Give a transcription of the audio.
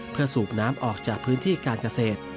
เพื่อสูบน้ำออกจากพื้นที่การเกษตร